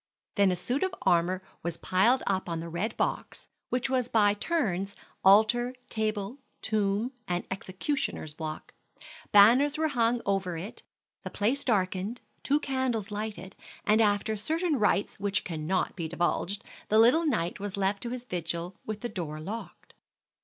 Then a suit of armor was piled up on the red box, which was by turns altar, table, tomb, and executioner's block. Banners were hung over it, the place darkened, two candles lighted, and after certain rites which cannot be divulged, the little knight was left to his vigil with the door locked.